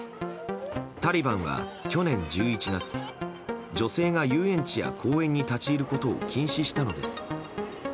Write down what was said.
タリバンは去年１１月女性が遊園地や公園に立ち入ることを禁止したのです。